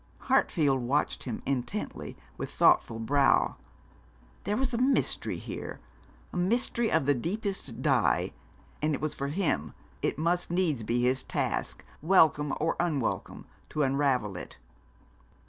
Hartfield watched him intently, with thoughtful brow. There was a mystery here, a mystery of the deepest dye; and it was for him it must needs be his task, welcome or unwelcome, to unravel it.